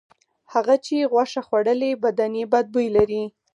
هغه چې غوښه خوړلې بدن یې بد بوی لري.